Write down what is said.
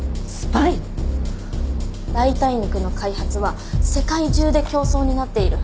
代替肉の開発は世界中で競争になっている。